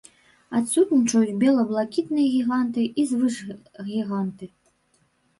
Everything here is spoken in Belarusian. Адсутнічаюць бела-блакітныя гіганты і звышгіганты.